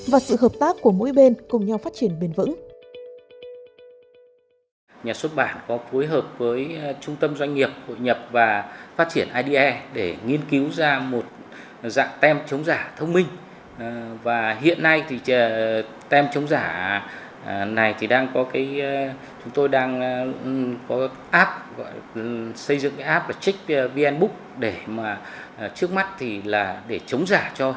và sự hợp tác của mỗi bên cùng nhau phát triển bền vững